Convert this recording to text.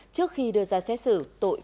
trước khi đưa ra xét xử tội cố ý giết người